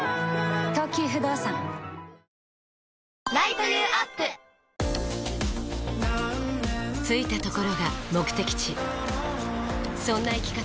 この後着いたところが目的地そんな生き方